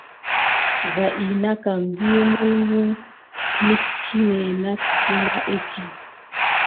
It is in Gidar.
Va ina kam vi mulmu mitkine nat kuma iki.